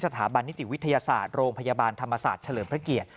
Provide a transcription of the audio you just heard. สถาบันนิติวิทยาศาสตร์โรงพยาบาลธรรมศาสตร์เฉลิมพระเกียรติ